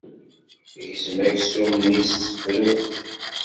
Gzem aksum-nni s tefrut.